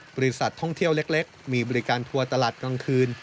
บริษัทท่องเที่ยวเล็กมีบริการทัวร์ตลาดกลางคืน